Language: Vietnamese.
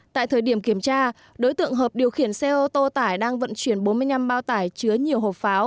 tại thời điểm kiểm tra đối tượng hợp điều khiển xe ô tô tải đang vận chuyển bốn mươi năm bao tải chứa nhiều hộp pháo